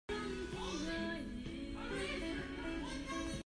Fangvoi an sawlh.